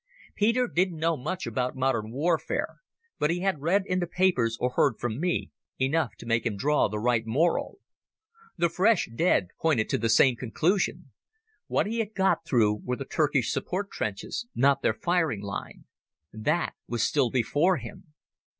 Peter didn't know much about modern warfare, but he had read in the papers, or heard from me, enough to make him draw the right moral. The fresh dead pointed to the same conclusion. What he had got through were the Turkish support trenches, not their firing line. That was still before him.